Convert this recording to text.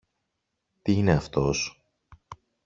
Τι είναι αυτός;